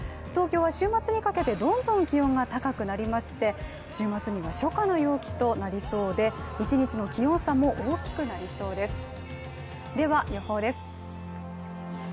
東京は週末にかけてどんどん気温が高くなりまして週末には初夏の陽気となりそうで一日の気温差も大きくなりそうです。